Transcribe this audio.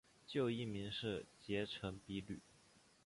旧艺名是结城比吕。